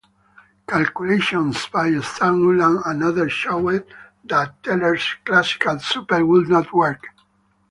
Calculations by Stan Ulam and others showed that Teller's "Classical Super" would not work.